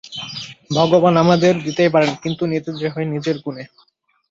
ভগবান আমাদের দিতেই পারেন, কিন্তু নিতে যে হয় নিজের গুণে।